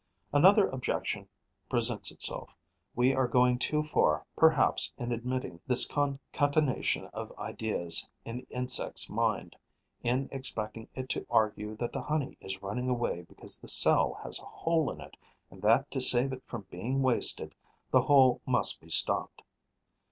Another objection presents itself. We are going too far perhaps in admitting this concatenation of ideas in the insect's mind, in expecting it to argue that the honey is running away because the cell has a hole in it and that to save it from being wasted the hole must be stopped.